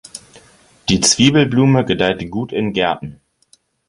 Die Zwiebelblume gedeiht gut in Gärten.